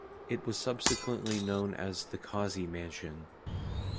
It was subsequently known as the Causey Mansion.